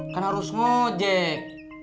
kan harus ngojek